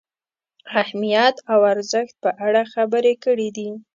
اهمیت او ارزښت په اړه خبرې کړې دي.